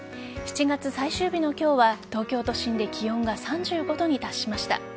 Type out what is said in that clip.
７月最終日の今日は東京都心で気温が３５度に達しました。